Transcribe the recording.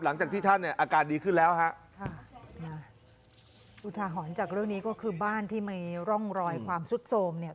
หลังจากที่ท่านเนี่ยอาการดีขึ้นแล้วฮะค่ะนะอุทาหรณ์จากเรื่องนี้ก็คือบ้านที่มีร่องรอยความสุดโสมเนี่ย